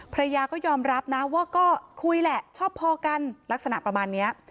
ภรรยาก็ยอมรับนะว่าก็คุยแหละชอบพอกันลักษณะประมาณนี้